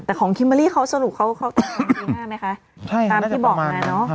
แต่ของสรุปเขาก็เข้ากันปีแรกไหมคะใช่ตามที่บอกมาเนอะ